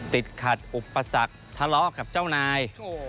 ติดขัดอุปสรรคทะเลาะกับเจ้านาย